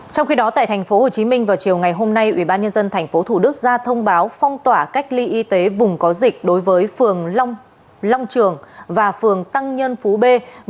trong khi đó tại tp hcm vào chiều ngày hôm nay ubnd tp thủ đức ra thông báo phong tỏa cách ly y tế vùng có dịch đối với phường long trường và phường tăng nhân phú b